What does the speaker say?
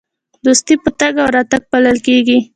دوستي په تګ او راتګ پالل کیږي.